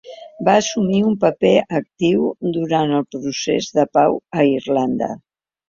Va assumir un paper actiu durant el procés de pau a Irlanda.